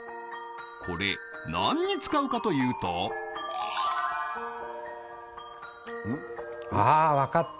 これ何に使うかというとうん？あ分かった！